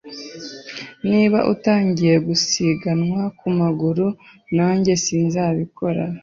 Niba utagiye gusiganwa ku maguru, nanjye sinzabikora.